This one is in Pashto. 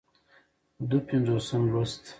دوه پينځوسم لوست